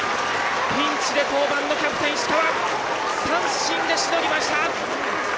ピンチで登板のキャプテン、石川三振でしのぎました。